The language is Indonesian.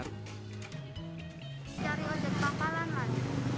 cari ojek pangkalan lagi